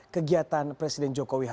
kegiatan presiden joko widodo